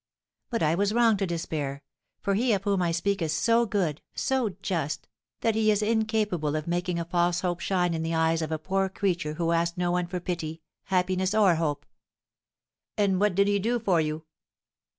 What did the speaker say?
But I was wrong to despair; for he of whom I speak is so good, so just, that he is incapable of making a false hope shine in the eyes of a poor creature who asked no one for pity, happiness, or hope." "And what did he do for you?"